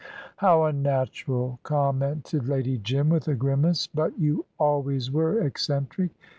"How unnatural!" commented Lady Jim, with a grimace. "But you always were eccentric.